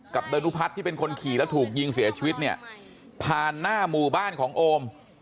ดนุพัฒน์ที่เป็นคนขี่แล้วถูกยิงเสียชีวิตเนี่ยผ่านหน้าหมู่บ้านของโอม